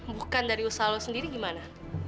bukan dari usaha lu sendiri gimana